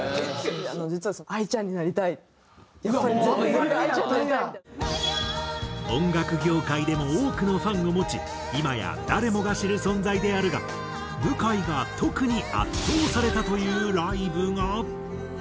実は音楽業界でも多くのファンを持ち今や誰もが知る存在であるが向井が特に圧倒されたというライブが。